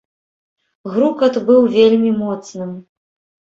Грукат быў вельмі моцным.